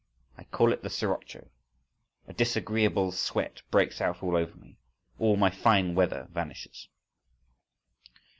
I call it the Sirocco. A disagreeable sweat breaks out all over me. All my fine weather vanishes.